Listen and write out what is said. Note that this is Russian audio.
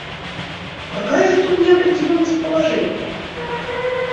Какая же тут неопределенность положения?